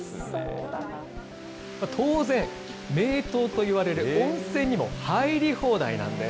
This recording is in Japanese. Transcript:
当然、名湯といわれる温泉にも入り放題なんです。